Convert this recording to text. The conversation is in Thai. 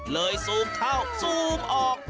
ซูมเข้าซูมออก